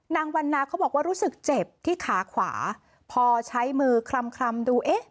นางวันนาเขาบอกว่ารู้สึกเจ็บที่ขาขวาพอใช้มือคลำคลำดูเอ๊ะ